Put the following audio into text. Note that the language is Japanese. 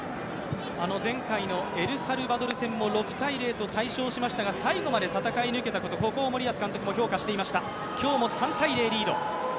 前回のエルサルバドル戦も６−０と大勝しましたが、最後まで戦い抜いていたこと、ここを森保監督も評価していました。